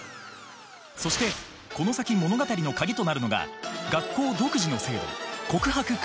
そしてこの先物語の鍵となるのが学校独自の制度「告白カード」。